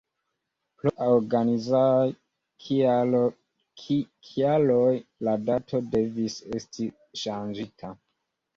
Pro organizaj kialoj la dato devis esti ŝanĝita!.